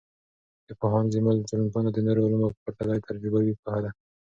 د پوهاند زیمل ټولنپوهنه د نورو علومو په پرتله یوه تجربوي پوهه ده.